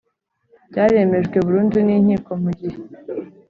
byaremejwe burundu n inkiko mu gihe